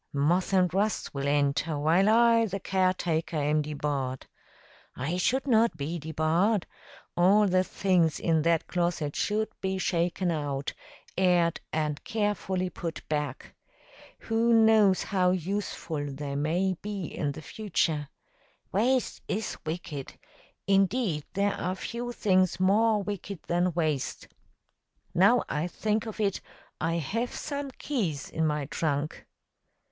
Moth and rust will enter, while I, the caretaker, am debarred. I should not be debarred. All the things in that closet should be shaken out, aired, and carefully put back. Who knows how useful they may be in the future! Waste is wicked. Indeed, there are few things more wicked than waste. Now I think of it, I have some keys in my trunk."